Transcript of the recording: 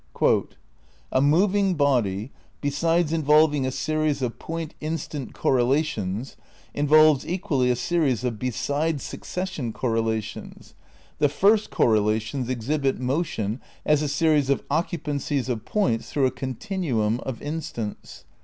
"A moving body, besides involving a series of point instant cor relations, involves equally a series of beside succession correla tions. The first correlations exhibit motion as a series of occupancies of points through a continuum of instants.